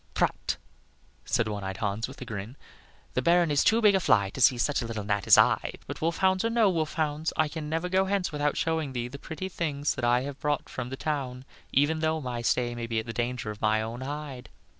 "Prut," said one eyed Hans, with a grin, "the Baron is too big a fly to see such a little gnat as I; but wolf hounds or no wolf hounds, I can never go hence without showing thee the pretty things that I have brought from the town, even though my stay be at the danger of my own hide."